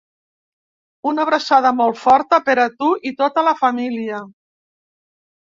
Una abraçada molt forta per a tu i tota la família.